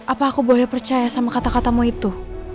apa aku boleh percaya sama kata katamu itu